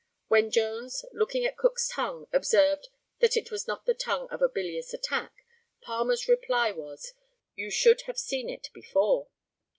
When Jones, looking at Cook's tongue, observed that it was not the tongue of a bilious attack, Palmer's reply was, "You should have seen it before."